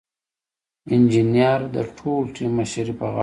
انجینر د ټول ټیم مشري په غاړه لري.